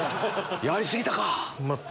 「やり過ぎたか」。